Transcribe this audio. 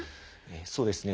そうですね。